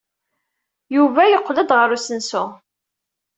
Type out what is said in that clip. Yuba yeqqel-d ɣer usensu.